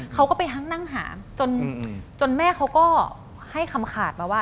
เขาก็ไปนั่งหาจนแม่เขาก็ให้คำขาดมาว่า